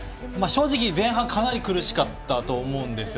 正直、前半かなり苦しかったと思うんです。